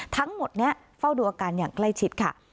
ทั้งหมดนี้เฝ้าดูอาการอย่างใกล้ชิดค่ะ